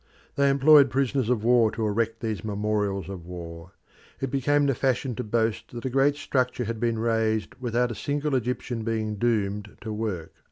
They employed prisoners of war to erect these memorials of war; it became the fashion to boast that a great structure had been raised without a single Egyptian being doomed to work.